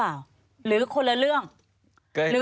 แล้วเขาสร้างเองว่าห้ามเข้าใกล้ลูก